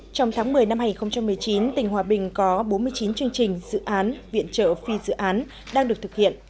trong tháng một mươi năm hai nghìn một mươi chín tỉnh hòa bình có bốn mươi chín chương trình dự án viện trợ phi dự án đang được thực hiện